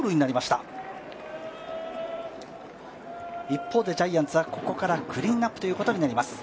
一方でジャイアンツはここからクリーンアップになります。